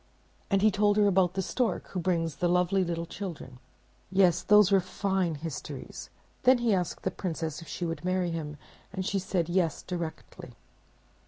And he told her about the stork who brings the lovely little children. Yes, those were fine histories! Then he asked the Princess if she would marry him, and she said, "Yes," directly.